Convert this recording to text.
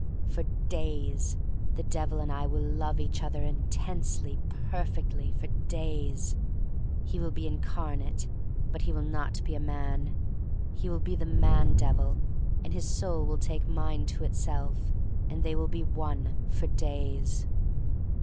For days! The Devil and I will love each other intensely, perfectly — for days! He will be incarnate, but he will not be a man. He will be the man devil, and his soul will take mine to itself and they will be one — for days.